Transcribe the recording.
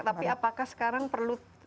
tapi apakah sekarang perlu